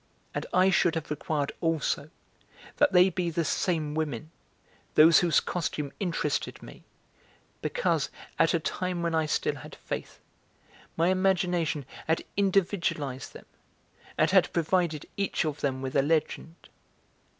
And I should have required also that they be the same women, those whose costume interested me because, at a time when I still had faith, my imagination had individualised them and had provided each of them with a legend.